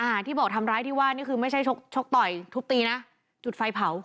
อ่าที่บอกทำร้ายที่ว่านี่คือไม่ใช่ชกชกต่อยทุบตีนะจุดไฟเผา